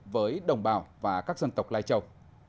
với đồng bào và các dân tộc lai châu